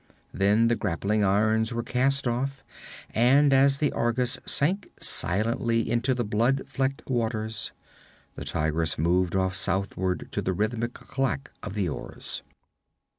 Then the grappling irons were cast off, and as the Argus sank silently into the blood flecked waters, the Tigress moved off southward to the rhythmic clack of the oars.